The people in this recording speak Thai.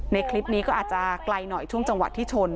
ในคลิปนี้ก็อาจจะไกลหน่อยช่วงจังหวะที่ชน